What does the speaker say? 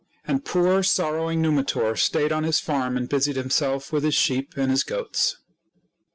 And poor, sorrowing Numitor stayed on his farm and busied himself with his sheep and his goats.